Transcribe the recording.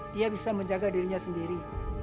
dia bisa menjaga dirinya sendiri